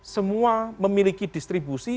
semua memiliki distribusi